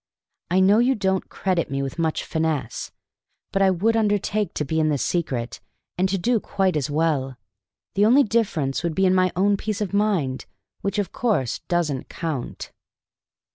"I know you don't credit me with much finesse, but I would undertake to be in the secret and to do quite as well; the only difference would be in my own peace of mind, which, of course, doesn't count."